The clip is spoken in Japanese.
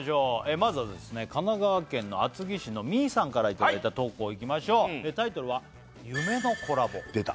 まずは神奈川県の厚木市のみーさんからいただいた投稿いきましょうタイトルは「夢のコラボ」出た！